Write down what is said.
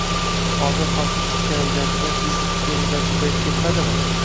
hozir xalqni tikka aldaydigan "biznes trener"lar ko‘payib ketmadimi?